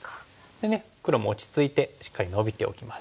でね黒も落ち着いてしっかりノビておきます。